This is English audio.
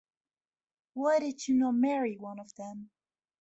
Why did you not marry one of them?